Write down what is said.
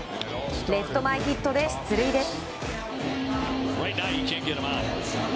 レフト前ヒットで出塁です。